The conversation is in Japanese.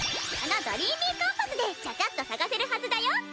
このドリーミーコンパスでちゃちゃっと捜せるはずだよ！